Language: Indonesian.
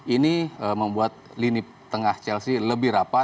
ini membuat lini tengah chelsea lebih rapat